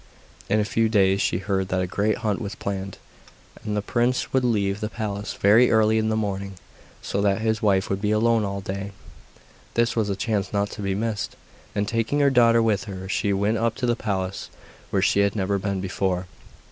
In a few days she heard that a great hunt was planned, and the prince would leave the palace very early in the morning, so that his wife would be alone all day. This was a chance not to be missed, and taking her daughter with her she went up to the palace, where she had never been before.